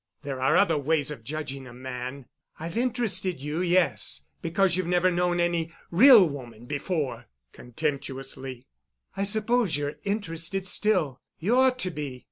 There are other ways of judging a man. I've interested you, yes, because you've never known any real woman before," contemptuously. "I suppose you're interested still. You ought to be.